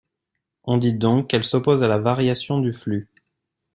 On dit donc qu'elle s'oppose à la variation du flux.